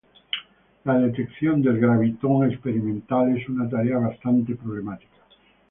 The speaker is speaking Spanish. La detección del gravitón experimental es una tarea bastante problemática.